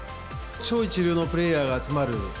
超一流のプレーヤーが集まる。